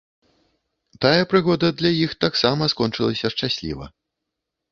Тая прыгода для іх таксама скончылася шчасліва.